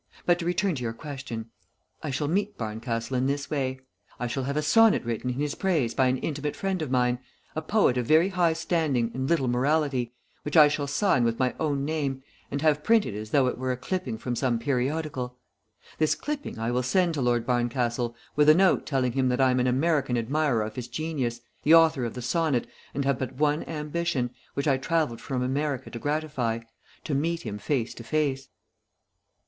But to return to your question. I shall meet Barncastle in this way; I shall have a sonnet written in his praise by an intimate friend of mine, a poet of very high standing and little morality, which I shall sign with my own name, and have printed as though it were a clipping from some periodical. This clipping I will send to Lord Barncastle with a note telling him that I am an American admirer of his genius, the author of the sonnet, and have but one ambition, which I travelled from America to gratify to meet him face to face."